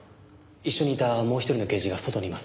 一緒にいたもう一人の刑事が外にいます。